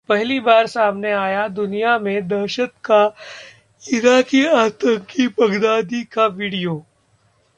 पहली बार सामने आया दुनिया में दहशत का इराकी आतंकी बगदादी का वीडियो